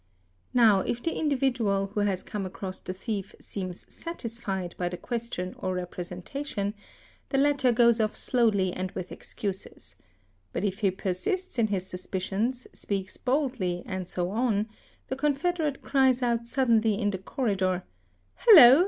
Now if the individual who has : come across the thief seems satisfied by the question or representation, 'the latter goes off slowly and with excuses; but if he persists in his "suspicions, speaks boldly and so on, the confederate cries out suddenly in the corridor :—" Hallo!